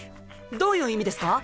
どういう意味ですか？